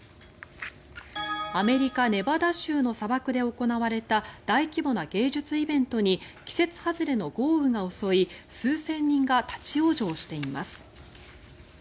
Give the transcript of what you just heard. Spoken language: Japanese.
アメリカ・ネバダ州の砂漠で行われた大規模な芸術イベントに季節外れの豪雨が襲い数千人が立ち往生しています。